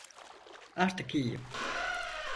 Artık iyiyim.